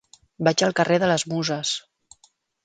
Vaig al carrer de les Muses.